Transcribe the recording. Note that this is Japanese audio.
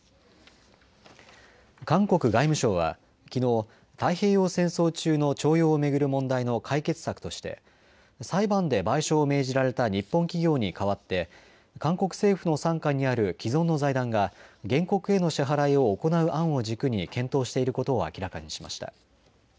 韓国外務省はきのう太平洋戦争中の徴用を巡る問題の解決策として裁判で賠償を命じられた日本企業に代わって韓国政府の傘下にある既存の財団が原告への支払いを行う案を軸に検討していることを明らかにしました。